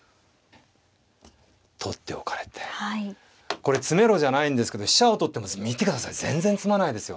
これ詰めろじゃないんですけど飛車を取っても見て下さい全然詰まないですよ。